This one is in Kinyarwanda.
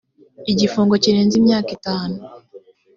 igifungo kirenze imyaka itanu .